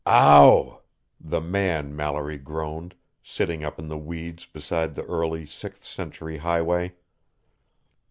"Ow!" the man Mallory groaned, sitting up in the weeds beside the early sixth century highway.